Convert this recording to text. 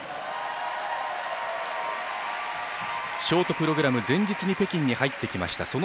ショートプログラム前日に北京に入ってきました。